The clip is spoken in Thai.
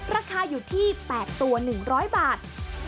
ราคาอยู่ที่๘ตัว๑๐๐บาท